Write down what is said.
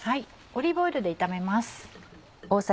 オリーブオイルで炒めます。